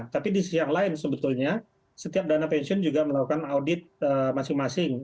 tapi di sisi yang lain sebetulnya setiap dana pensiun juga melakukan audit masing masing